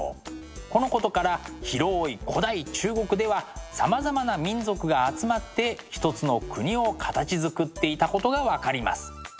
このことから広い古代中国ではさまざまな民族が集まって一つの国を形づくっていたことが分かります。